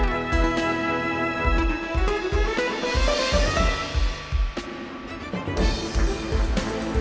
ทุกคนพร้อมแล้วขอเสียงปลุ่มมือต้อนรับ๑๒สาวงามในชุดราตรีได้เลยค่ะ